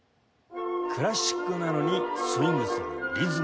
クラシックなのにスウィングするリズム。